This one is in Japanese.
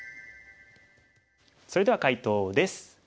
それでは解答です。